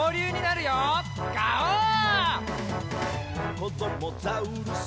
「こどもザウルス